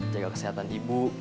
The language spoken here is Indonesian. jaga kesehatan ibu